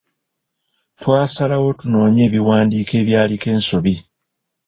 Twasalawo tunoonye ebiwandiiko ebyaliko ensobi.